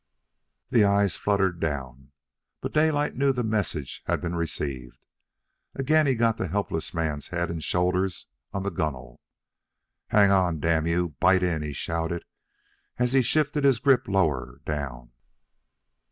The eyes fluttered down, but Daylight knew the message had been received. Again he got the helpless man's head and shoulders on the gunwale. "Hang on, damn you! Bite in!" he shouted, as he shifted his grip lower down.